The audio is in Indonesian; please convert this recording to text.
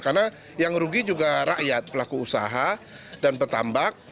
karena yang rugi juga rakyat pelaku usaha dan petambak